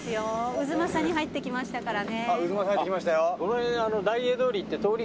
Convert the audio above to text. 太秦に入ってきましたからね」